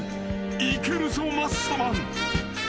いけるぞマッサマン］